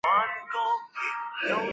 踪迹十分隐蔽。